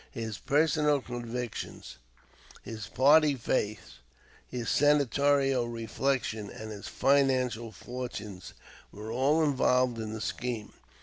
His personal convictions, his party faith, his senatorial reflection, and his financial fortunes, were all involved in the scheme.